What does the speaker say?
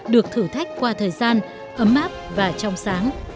được thử thách qua thời gian ấm áp và trong sáng